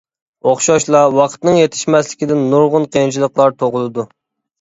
ئوخشاشلا، ۋاقىتنىڭ يېتىشمەسلىكىدىن نۇرغۇن قىيىنچىلىقلار تۇغۇلىدۇ.